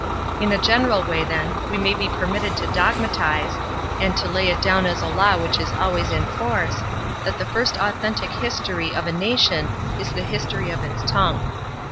In a general way, then, we may be permitted to dogmatize, and to lay it down as a law which is always in force, that the first authentic history of a nation is the history of its tongue.